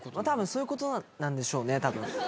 たぶんそういうことなんでしょうね。